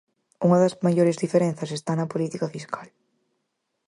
Unha das maiores diferenzas está na política fiscal.